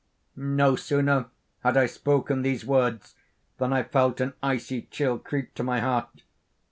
No sooner had I spoken these words, than I felt an icy chill creep to my heart.